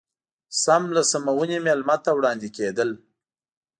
سم له سمونې مېلمه ته وړاندې کېدل.